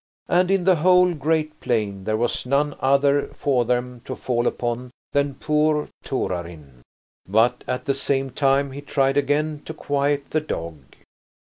And in the whole great plain there was none other for them to fall upon than poor Torarin. But at the same time he tried again to quiet the dog.